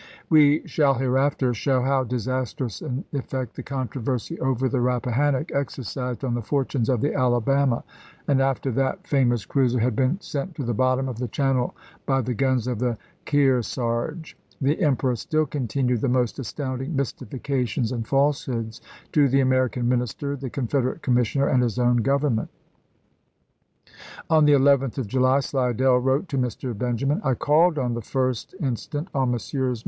We shall hereafter show how disastrous an effect the controversy over the Bappahannock exercised on the fortunes of the Alabama, and after that famous cruiser had been sent to the bottom of the Channel by the guns of the Kearsarge, the Emperor still continued the most astounding mystifications and falsehoods to the American minister, the Con federate commissioner, and his own Government. On the 11th of July Slidell wrote to Mr. Benjamin : 1864. " I called on the 1st inst. on Messrs.